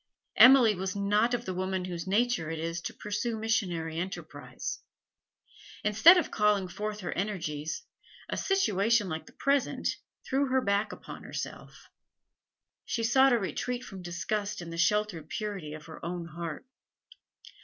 Emily was not of the women whose nature it is to pursue missionary enterprise; instead of calling forth her energies, a situation like the present threw her back upon herself; she sought a retreat from disgust in the sheltered purity of her own heart.